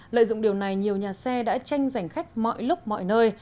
lợi dụng điều này nhiều nhà xe đã tranh giành khách mọi lúc mọi nơi